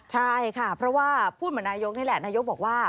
ใช่ค่ะเพราะว่าพูดเหมือนนายกนี่แหละนายกบอกว่า